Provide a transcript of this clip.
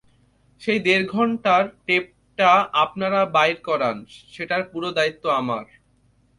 সেই দেড় ঘণ্টার টেপটা আপনারা বাইর করান, সেটার পুরো দায়িত্ব আমার।